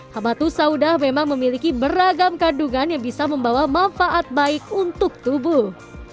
habatus saudah memang memiliki beragam kandungan yang bisa membawa manfaat baik untuk tubuh